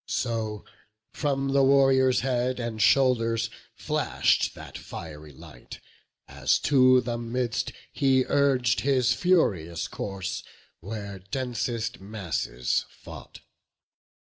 So from the warrior's head and shoulders flash'd That fiery light, as to the midst he urg'd His furious course, where densest masses fought.